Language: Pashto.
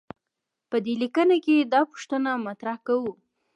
په دې لیکنه کې دا پوښتنه مطرح کوو.